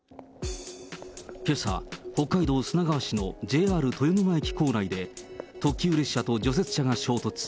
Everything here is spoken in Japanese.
けさ、北海道砂川市のＪＲ豊沼駅構内で特急列車と除雪車が衝突。